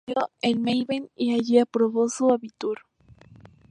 Estudió en Meißen y allí aprobó su abitur.